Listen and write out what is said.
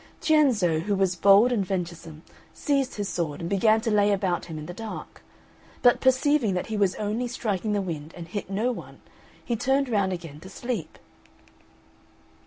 Cienzo, who was bold and venturesome, seized his sword and began to lay about him in the dark; but perceiving that he was only striking the wind and hit no one, he turned round again to sleep.